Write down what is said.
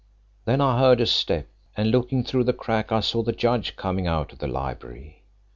"Then I heard a step, and looking through the crack I saw the judge coming out of the library.